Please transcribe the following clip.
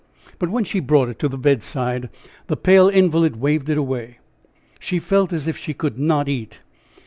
But when she brought it to the bedside the pale invalid waved it away. She felt as if she could not eat.